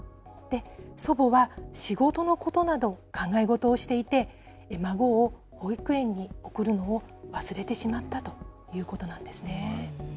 祖母は仕事のことなど考え事をしていて、孫を保育園に送るのを忘れてしまったということなんですね。